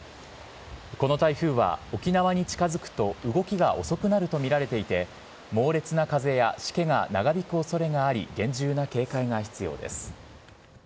この台風は沖縄に近づくと動きが遅くなると見られていて、猛烈な風やしけが長引くおそれがあり、厳重な警戒が必要です。